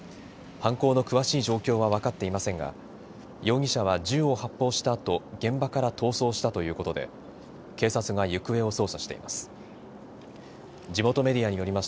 犯行の詳しい状況は分かっていませんが容疑者は銃を発砲したあと現場から逃走したということで警察が行方を捜査しています。